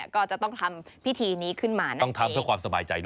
ก็จะต้องทำพิธีนี้ขึ้นมานะคะต้องทำเพื่อความสบายใจด้วย